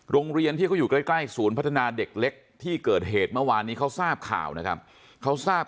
โรงเรียนที่เขาอยู่ใกล้ใกล้ศูนย์พัฒนาเด็กเล็กที่เกิดเหตุเมื่อวานนี้เขาทราบข่าวนะครับเขาทราบ